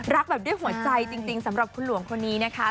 แบบด้วยหัวใจจริงสำหรับคุณหลวงคนนี้นะคะ